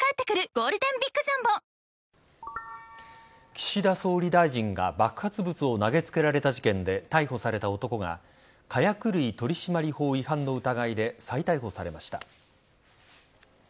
岸田総理大臣が爆発物を投げつけられた事件で逮捕された男が火薬類取締法違反の疑いで再逮捕されました。